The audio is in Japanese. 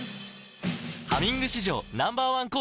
「ハミング」史上Ｎｏ．１抗菌